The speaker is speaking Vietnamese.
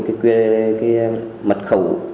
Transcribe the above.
cái quyền mật khẩu